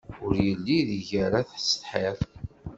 Ur yelli ideg ara tessetḥiḍ.